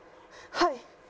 はい。